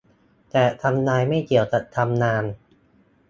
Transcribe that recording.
แต่ทำนายไม่เกี่ยวกับทำนาน